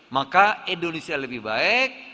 maka indonesia lebih baik